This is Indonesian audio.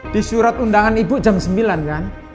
di surat undangan ibu jam sembilan kan